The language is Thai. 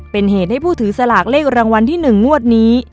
เป็นเหตุให้ผู้ถือสลากเลขรางวัลที่๑งวดนี้